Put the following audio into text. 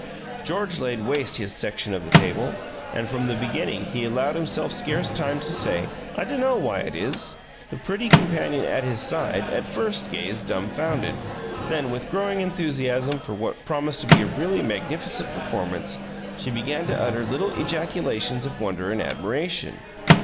George laid waste his section of the table, and from the beginning he allowed himself scarce time to say, "I dunno why it is." The pretty companion at his side at first gazed dumfounded; then, with growing enthusiasm for what promised to be a really magnificent performance, she began to utter little ejaculations of wonder and admiration.